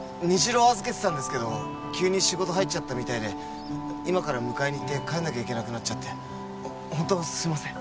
虹朗預けてたんですけど急に仕事入っちゃったみたいで今から迎えにいって帰んなきゃいけなくなっちゃってホントすいません